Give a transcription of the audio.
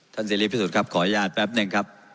เสรีพิสุทธิครับขออนุญาตแป๊บหนึ่งครับ